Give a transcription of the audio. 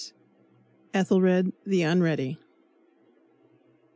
etc. ETHELRED THE UNREADY.